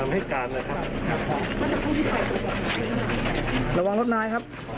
ไปมีสมอบขอบคุณครับ